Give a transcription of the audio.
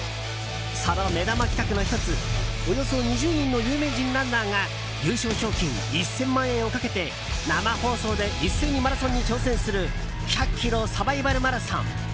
その目玉企画の１つおよそ２０人の有名人ランナーが優勝賞金１０００万円をかけて生放送で一斉にマラソンに挑戦する１００ｋｍサバイバルマラソン。